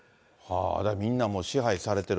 みんなもう支配されてる。